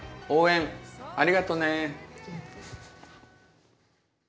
応援ありがとね。